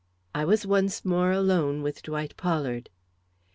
I was once more alone with Dwight Pollard.